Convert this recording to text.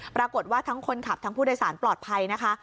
ปรากฏว่าทั้งคนขับทั้งผู้โดยสารปลอดภัยนะคะ